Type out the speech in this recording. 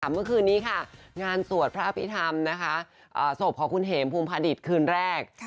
เมื่อคืนนี้ค่ะงานสวดพระอภิษฐรรมศพของคุณเหมภูมิภาดิตคืนแรก